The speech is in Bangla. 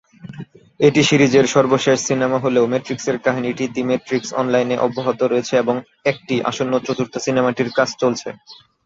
এটি সিরিজের সর্বশেষ সিনেমা হলেও "ম্যাট্রিক্সের" কাহিনিটি "দ্য ম্যাট্রিক্স অনলাইন-" এ অব্যাহত রয়েছে এবং একটি আসন্ন চতুর্থ সিনেমাটির কাজ চলছে।